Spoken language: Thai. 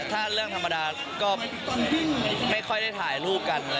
ถ้าเรื่องธรรมดาก็ไม่ค่อยได้ถ่ายรูปกัน